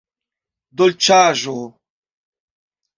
dolĉaĵo